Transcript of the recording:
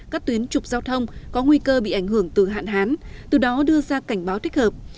các tuyến trục giao thông có nguy cơ bị ảnh hưởng từ hạn hán từ đó đưa ra cảnh báo thích hợp